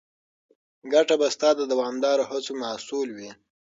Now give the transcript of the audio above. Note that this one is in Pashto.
ګټه به ستا د دوامداره هڅو محصول وي.